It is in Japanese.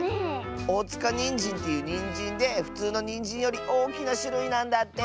おおつかにんじんっていうにんじんでふつうのにんじんよりおおきなしゅるいなんだって！